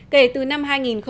kể từ năm hai nghìn một mươi năm